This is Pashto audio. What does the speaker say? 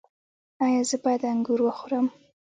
ایا زه باید انګور وخورم؟